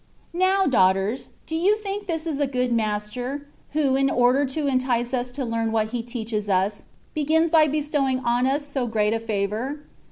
Now, daughters, do you think this is a good Master, who, in order to entice us to learn what He teaches us, begins by bestowing on us so great a favour